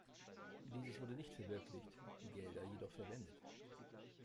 Dieses wurde nicht verwirklicht, die Gelder jedoch verwendet.